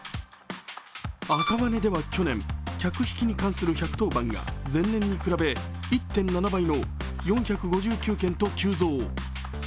赤羽では去年、客引きに関する１１０番が前年に比べ１．７倍の４５９件と急増。